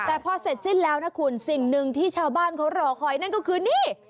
แต่พอเสร็จสิ้นแล้วนะคุณสิ่งหนึ่งที่ชาวบ้านเขารอคอยนั่นก็คือนี่